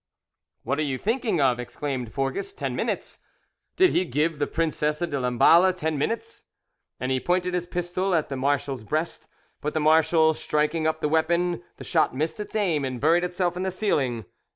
"What are you thinking of?" exclaimed Forges. "Ten minutes! Did he give the Princesse de Lamballe ten minutes?" and he pointed his pistol at the marshal's breast; but the marshal striking up the weapon, the shot missed its aim and buried itself in the ceiling.